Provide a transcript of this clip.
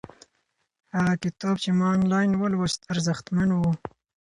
هغه کتاب چې ما آنلاین ولوست ارزښتمن و.